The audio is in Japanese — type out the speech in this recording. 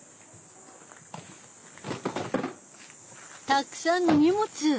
たくさんの荷物！